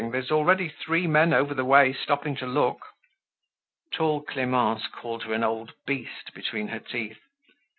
There's already three men over the way stopping to look." Tall Clemence called her an old beast between her teeth.